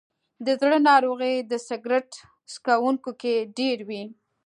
د زړه ناروغۍ د سګرټ څکونکو کې ډېرې وي.